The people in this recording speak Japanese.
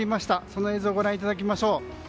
その映像をご覧いただきましょう。